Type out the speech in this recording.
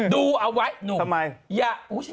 ดูเอาไว้หนุ่มทำไม